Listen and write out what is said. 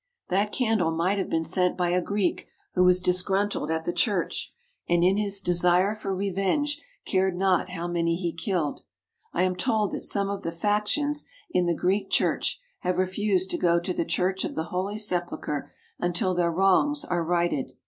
That candle might have been sent by a Greek who was disgruntled at the Church, and in his desire for revenge cared not how many he killed. I am told that some of the factions in the Greek Church have refused to go to the Church of the Holy Sepulchre until their wrongs are righted.